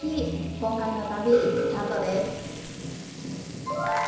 今回の旅、スタートです。